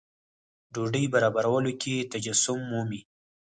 ډوډۍ برابرولو کې تجسم مومي.